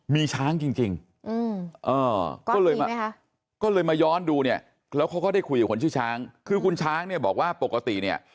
มีช้างจริงก็เลยมาก็เลยมาย้อนดูเนี่ยแล้วเขาก็ได้คุยกับคนชื่อช้างคือคุณช้างเนี่ยบอกว่าปกติเนี่ย